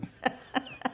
ハハハハ。